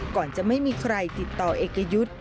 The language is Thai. ก่อนจะไม่มีใครติดต่อเอกยุทธ์